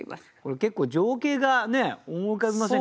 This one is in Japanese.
結構情景が思い浮かびませんか？